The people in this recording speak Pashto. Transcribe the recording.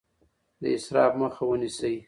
د اسراف مخه ونیسئ.